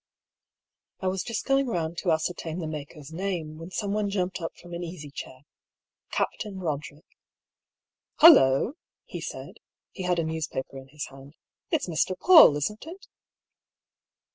I was just going round to ascertain the maker's name, when someone jumped up from an easy chair — Captain Boderick. 40 DR. PAULL'S THEORY. ^' HuUoa !" he said (he had a newspaper in his hand), "it'sMr. PauU, isn't it?